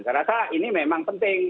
saya rasa ini memang penting